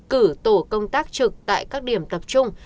cử tổ công tác trực tại các điểm tập trung